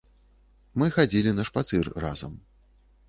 Мы хадзілі на шпацыр разам.